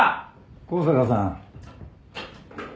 香坂さん。